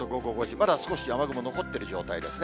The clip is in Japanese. まだ少し雨雲、残っている状態ですね。